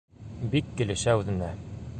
Бик килешә үҙенә.